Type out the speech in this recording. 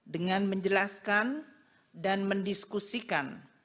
dengan menjelaskan dan mendiskusikan